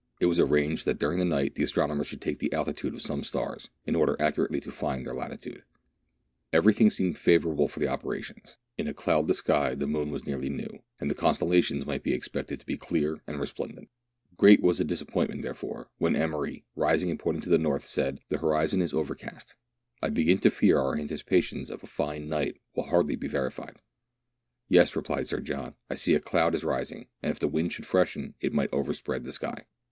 It was arranged that during the night the astronomers should take the altitude of some stars, in ' order accurately to find their latitude. Every thing seemed favourable for the operations ; in a cloudless sky the moon A strange Cloud. — [Page i6i.] THREE ENGLISHMEN AND THREE RUSSIANS. l6l was nearly new, and the constellations might be expected to be clear and resplendent. Great was the disappointment, therefore, when Emery, rising and pointing to the north, said, — "The horizon is overcast: I begin to fear our antici pations of a fine night will hardly be verified." "Yes," replied Sir John, "I see a cloud is rising, and if the wind should freshen, it might overspread the sky."